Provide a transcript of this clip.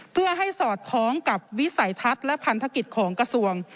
เพื่อให้สอดคล้องกับวิสัยทัศน์และพันธกิจของกระทรวง